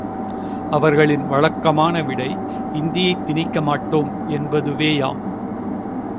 அவர்களின் வழக்கமான விடை, இந்தியைத் திணிக்கமாட்டோம் என்பதுவேயாம்.